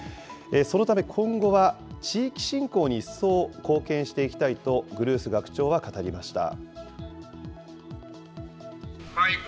そのため、今後は地域振興に一層貢献していきたいと、グルース学長は語りました。